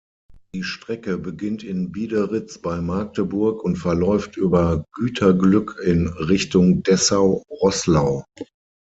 Die Strecke beginnt in Biederitz bei Magdeburg und verläuft über Güterglück in Richtung Dessau-Roßlau.